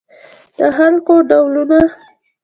د خلکو ډولونه